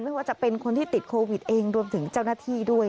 ไม่ว่าจะเป็นคนที่ติดโควิดเองรวมถึงเจ้าหน้าที่ด้วย